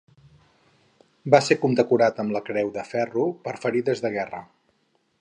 Va ser condecorat amb la Creu de Ferro per ferides de guerra.